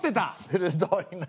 するどいな。